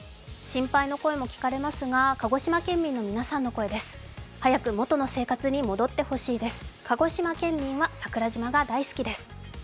心配の声も聞かれますが鹿児島県民の皆さんの声です。